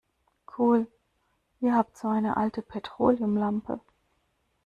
Cool, ihr habt so eine alte Petroleumlampe?